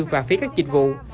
và phía các dịch vụ